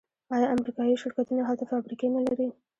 آیا امریکایی شرکتونه هلته فابریکې نلري؟